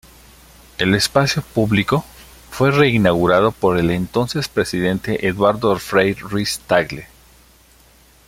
El espacio público fue reinaugurado por el entonces Presidente Eduardo Frei Ruiz-Tagle.